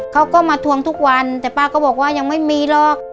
เขาก็มาทวงทุกวันแต่ป้าก็บอกว่ายังไม่มีหรอก